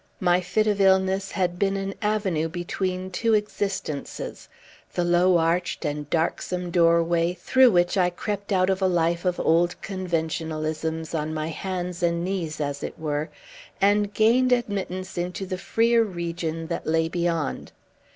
My fit of illness had been an avenue between two existences; the low arched and darksome doorway, through which I crept out of a life of old conventionalisms, on my hands and knees, as it were, and gained admittance into the freer region that lay beyond.